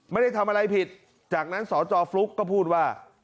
ไม่ได้ทำอะไรผิดจากนั้นสจฟลุ๊กก็พูดว่า